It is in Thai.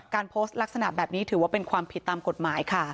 โพสต์ลักษณะแบบนี้ถือว่าเป็นความผิดตามกฎหมายค่ะ